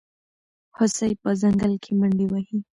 هوسۍ په ځنګل کې منډې وهي.